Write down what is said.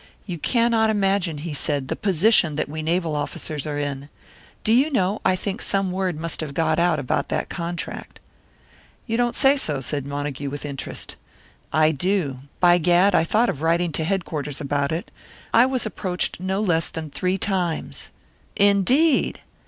"You cannot imagine," he said, "the position that we naval officers are in. Do you know, I think some word must have got out about that contract." "You don't say so," said Montague, with interest. "I do. By gad, I thought of writing to headquarters about it. I was approached no less than three times!" "Indeed!"